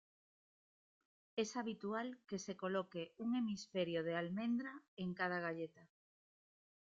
Es habitual que se coloque un "hemisferio" de almendra en cada galleta.